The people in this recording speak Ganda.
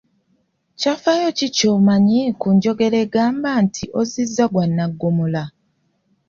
Kyafaayo ki ky'omanyi ku njogera egamba nti ozzizza gwa nnaggomola?